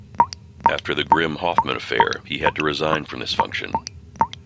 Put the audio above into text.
After the Grimm-Hoffmann Affair he had to resign from this function.